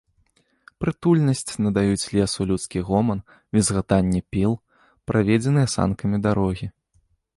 Прытульнасць надаюць лесу людскі гоман, візгатанне піл, праведзеныя санкамі дарогі.